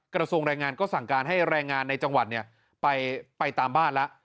กระทรวงแรงงานก็สั่งการให้แรงงานในจังหวัดไปตามบ้านแล้ว